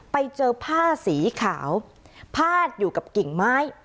ไปเจอผ้าสีขาวพาดอยู่กับกิ่งไม้